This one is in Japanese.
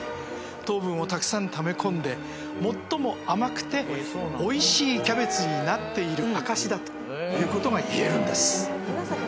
糖分をたくさんため込んで最も甘くておいしいキャベツになっている証しだということが言えるんです。